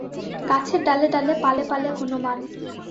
গাছের ডালে ডালে পালে পালে হনুমান।